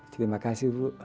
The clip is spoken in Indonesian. terima kasih bu